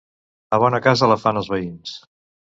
La bona casa la fan els veïns.